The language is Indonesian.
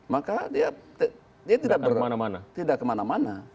maka dia tidak kemana mana